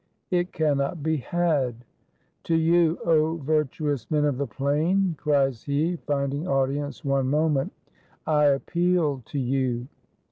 It cannot be had. "To you, O virtuous men of the Plain," cries he, finding audience one moment, "I appeal to you!"